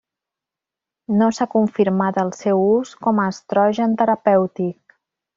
No s'ha confirmat el seu ús com a estrogen terapèutic.